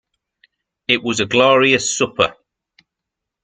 It was a glorious supper.